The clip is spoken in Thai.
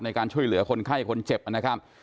ในการช่วยเหลือคนไข้คนเจ็บนะครับ